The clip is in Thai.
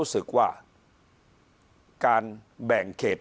พักพลังงาน